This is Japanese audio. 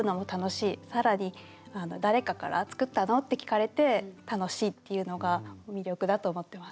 更に誰かから「作ったの？」って聞かれて楽しいっていうのが魅力だと思ってます。